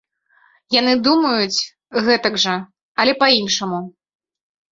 Яны думаюць гэтак жа, але па-іншаму.